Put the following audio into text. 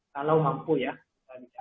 kalau mampu ya kalau bisa